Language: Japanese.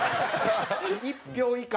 １票以下。